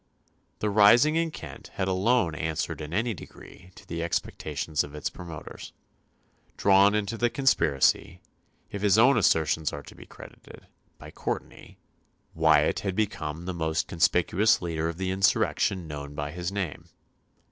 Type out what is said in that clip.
The rising in Kent had alone answered in any degree to the expectations of its promoters. Drawn into the conspiracy, if his own assertions are to be credited, by Courtenay, Wyatt had become the most conspicuous leader of the insurrection known by his name.